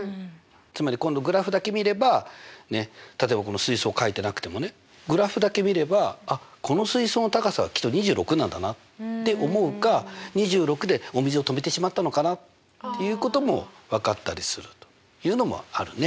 つまり今度グラフだけ見れば例えばこの水槽描いてなくてもねグラフだけ見ればあっこの水槽の高さはきっと２６なんだなって思うか２６でお水を止めてしまったのかなっていうことも分かったりするというのもあるね。